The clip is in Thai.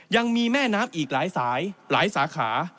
ยังมีแม่น้ำอีกหลายสายหลายสาขา